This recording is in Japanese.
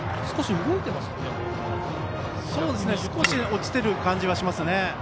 少し落ちている感じがしますね。